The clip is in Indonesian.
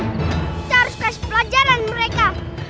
kita harus kasih pelajaran mereka